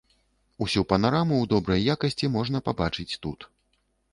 Усю панараму ў добрай якасці можна пабачыць тут.